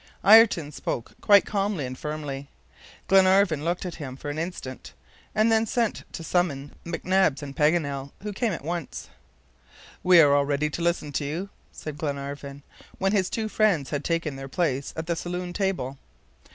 Ayrton spoke quite calmly and firmly. Glenarvan looked at him for an instant, and then sent to summon McNabbs and Paganel, who came at once. "We are all ready to listen to you," said Glenarvan, when his two friends had taken their place at the saloon table.